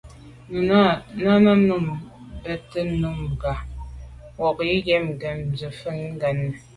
Náná nǔm jə́də́ bû mû ŋgā mwà’nì nyɔ̌ ŋkə̂mjvʉ́ ká nɛ̂n.